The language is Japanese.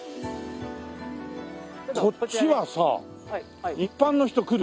こっちはさ一般の人来る？